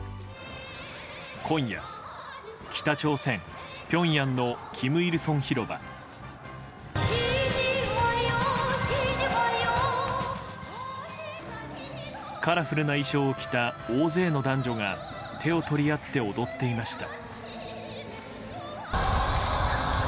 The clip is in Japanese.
今夜、北朝鮮ピョンヤンの金日成広場。カラフルな衣装を着た大勢の男女が手を取り合って踊っていました。